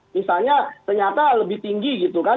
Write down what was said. misalnya ternyata lebih tinggi gitu kan